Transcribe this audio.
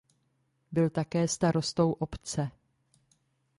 Byl také starostou obce.